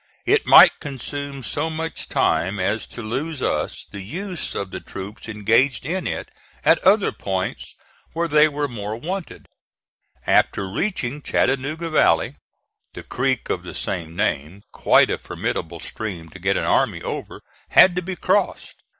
It might consume so much time as to lose us the use of the troops engaged in it at other points where they were more wanted. After reaching Chattanooga Valley, the creek of the same name, quite a formidable stream to get an army over, had to be crossed.